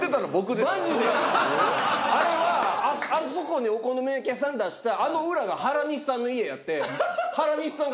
あれはあそこにお好み焼き屋さん出したあの裏が原西さんの家やって原西さんが。